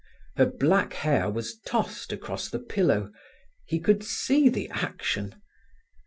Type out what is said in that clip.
Her black hair was tossed across the pillow: he could see the action.